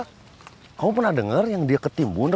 kamu pernah dengar yang dia ketimbun